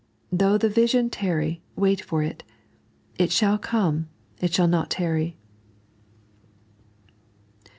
" Though the vision tarry, wait for it : it shall come, it shall not tarry."